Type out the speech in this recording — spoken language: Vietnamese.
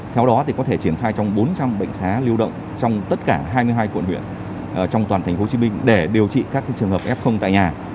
theo đó thì có thể triển khai trong bốn trăm linh bệnh xá lưu động trong tất cả hai mươi hai quận huyện trong toàn thành phố hồ chí minh để điều trị các trường hợp f tại nhà